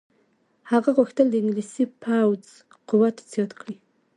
هغه غوښتل د انګلیسي پوځ قوت زیات کړي.